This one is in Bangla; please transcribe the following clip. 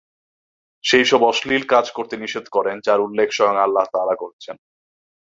সেইসব অশ্লীল কাজ করতে নিষেধ করেন যার উল্লেখ স্বয়ং আল্লাহ তাআলা করেছেন।